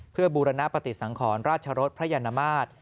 เพื่อปฏิสังขรรค์ราชรสพญานมาส